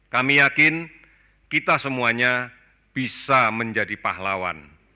kami yakin kita semuanya bisa menjadi pahlawan